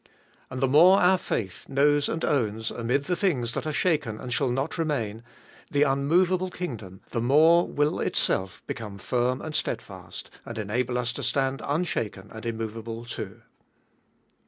And the more our faith knows and owns, amid the things that are shaken and shall not remain, the unmovable kingdom, the more will itself be come firm and steadfast, and enable us to stand unshaken and immovable too.